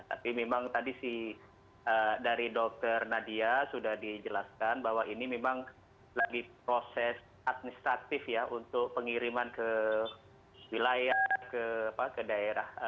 tapi memang tadi si dari dokter nadia sudah dijelaskan bahwa ini memang lagi proses administratif ya untuk pengiriman ke wilayah ke daerah